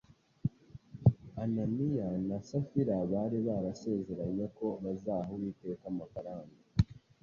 Ananiya na Safira bari barasezeranye ko bazaha Uwiteka amafaranga